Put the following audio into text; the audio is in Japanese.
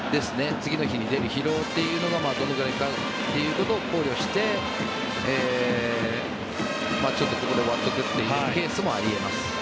次の日に出る疲労というのがどのくらいかを考慮してちょっとここで終わっておくというケースもあり得ます。